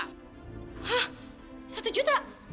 hah satu juta